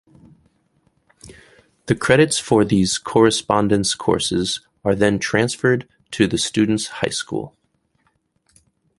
The credits for these correspondence courses are then transferred to the student's high school.